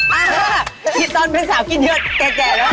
อ่าฮ่าขี้ตอนเป็นสาวขึ้นเยอะเก่แล้ว